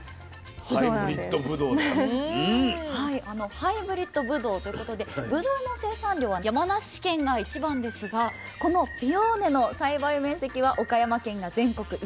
ハイブリッドぶどうということでぶどうの生産量は山梨県が一番ですがこのピオーネの栽培面積は岡山県が全国１位。